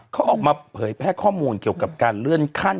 เขาออกมาเผยแพร่ข้อมูลเกี่ยวกับการเลื่อนขั้น